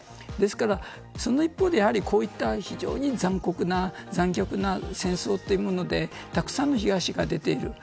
ですからその一方でこういった非常に残酷な残虐な戦争というものでたくさんの被害者が出ている。